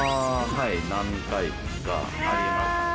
はい何回かあります。